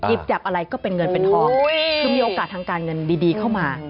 จับอะไรก็เป็นเงินเป็นทองคือมีโอกาสทางการเงินดีเข้ามา